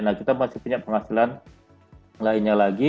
nah kita masih punya penghasilan lainnya lagi